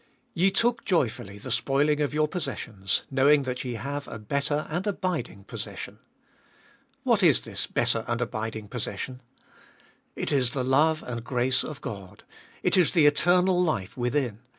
Ye took joyfully the spoiling of your possessions, knowing that ye have a better and abiding possession. What is this better and abiding possession? It is the love and grace of God. It is the eternal life within.